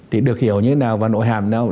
thì được hiểu như thế nào và nội hàm nào